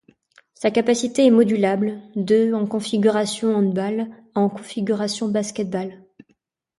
Sa capacité est modulable, de en configuration handball à en configuration basketball.